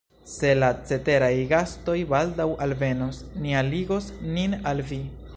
Se la ceteraj gastoj baldaŭ alvenos, ni aligos nin al vi.